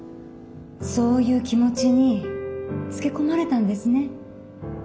そういう気持ちにつけ込まれたんですね。